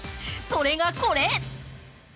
それがこれ。